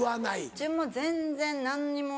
うちも全然何にもその。